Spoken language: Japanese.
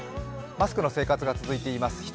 マスクの生活が続いています。